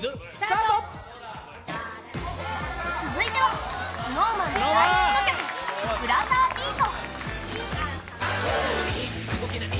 続いてはＳｎｏｗＭａｎの大ヒット曲「ブラザービート」。